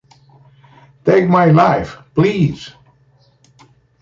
Take My Life...Please!